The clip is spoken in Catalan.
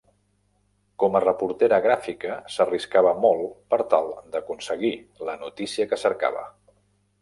Com a reportera gràfica s'arriscava molt per tal d'aconseguir la notícia que cercava.